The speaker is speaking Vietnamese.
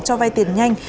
cho vai tiền nhanh